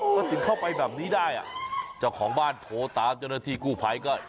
ก็ถึงเข้าไปแบบนี้ได้อ่ะเจ้าของบ้านโทรตามเจ้าหน้าที่กู้ภัยก็